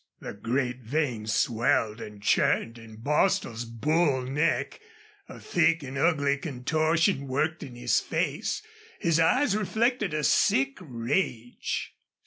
The great veins swelled and churned in Bostil's bull neck; a thick and ugly contortion worked in his face; his eyes reflected a sick rage.